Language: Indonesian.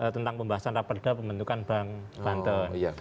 tentang pembahasan raperda pembentukan bank banten